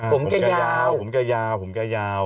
ผมผมแกยาวผมแกยาวผมแกยาว